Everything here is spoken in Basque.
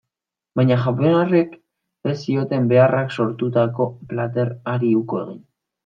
Baina japoniarrek ez zioten beharrak sortutako plater hari uko egin.